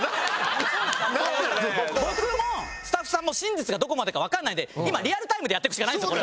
僕もスタッフさんも真実がどこまでかわからないんで今リアルタイムでやっていくしかないんですよ